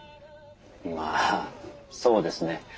まあそうですね。